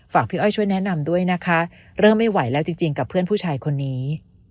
พี่อ้อยช่วยแนะนำด้วยนะคะเริ่มไม่ไหวแล้วจริงกับเพื่อนผู้ชายคนนี้